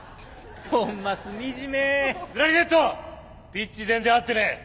ピッチ全然合ってねえ！